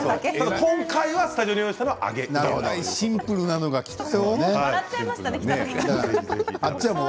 今回はスタジオに用意したのはシンプルなのがきたよ。